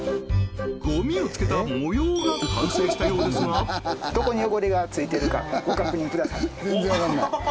ごみをつけた模様が完成したようですがどこに汚れがついてるかご確認ください